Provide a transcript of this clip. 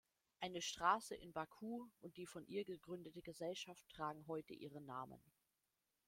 Eine Straße in Baku und die von ihr gegründete Gesellschaft tragen heute ihren Namen.